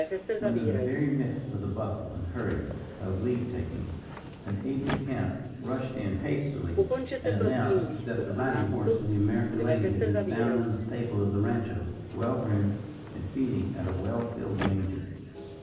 When in the very midst of the bustle and hurry of leave taking, an aid de camp rushed in hastily and announced that the riding horse of the American lady had been found in the stable of the rancho, well groomed, and feeding at a well filled manger.